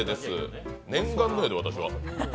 念願のやで、私は。